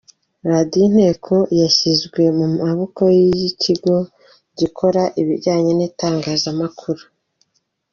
Radiyo Inteko yashyizwe mu maboko y ‘ikigo gikora ibijyanye n‘itangaza makuru